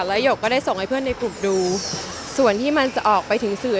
แล้วหยกก็ได้ส่งให้เพื่อนในกลุ่มดูส่วนที่มันจะออกไปถึงสื่อ